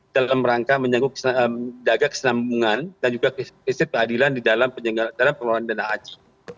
dalam rangka menjaga kesenambungan dan juga prinsip keadilan di dalam penyelenggaraan dana haji